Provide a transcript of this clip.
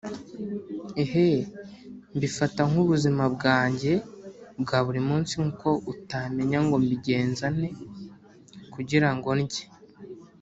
Eeeh Mbifata nk’ubuzima bwanjye bwa buri munsi nk’uko utamenya ngo mbigenza nte kugirango ndye